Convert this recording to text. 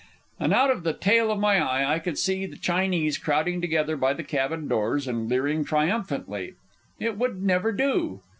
And out of the tail of my eye I could see the Chinese crowding together by the cabin doors and leering triumphantly. It would never do.